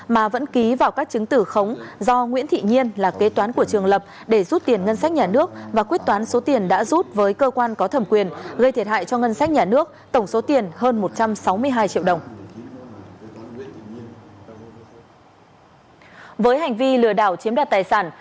mà vẫn ký vào các chứng tử khống do nguyễn thị nhiên là kế toán của trường lập để rút tiền ngân sách nhà nước và quyết toán số tiền đã rút với cơ quan có thẩm quyền gây thiệt hại cho ngân sách nhà nước tổng số tiền hơn một trăm sáu mươi hai triệu đồng